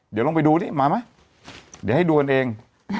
เดี๋ยวลองไปดูดิมาไหมเดี๋ยวให้ดูกันเอง